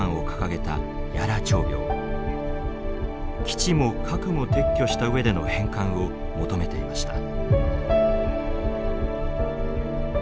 基地も核も撤去した上での返還を求めていました。